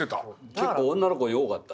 結構女の子に多かった。